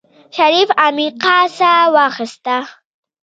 شريف عميقه سا واخيسته.